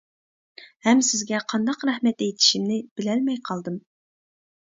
ھەم سىزگە قانداق رەھمەت ئېيتىشىمنى بىلەلمەي قالدىم.